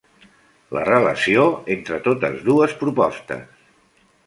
La relació entre totes dues propostes.